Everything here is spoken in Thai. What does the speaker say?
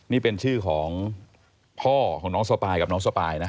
นี่เป็นชื่อของพ่อของน้องสปายกับน้องสปายนะ